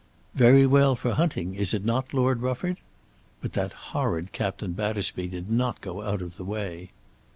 "Very well for hunting, is it not, Lord Rufford?" But that horrid Captain Battersby did not go out of the way.